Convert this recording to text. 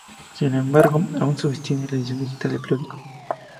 Sin embargo, aún subsiste la edición digital del periódico.